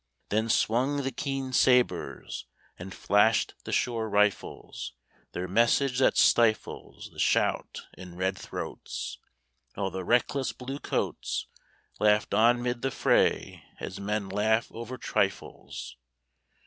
Then swung the keen sabres And flashed the sure rifles Their message that stifles The shout in red throats, While the reckless blue coats Laughed on 'mid the fray as men laugh over trifles.